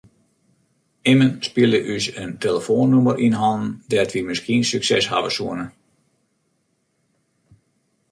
Immen spile ús in telefoannûmer yn hannen dêr't wy miskien sukses hawwe soene.